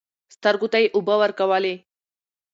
سترګو ته يې اوبه ورکولې .